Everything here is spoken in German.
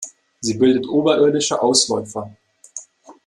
Sie bildet oberirdische Ausläufer.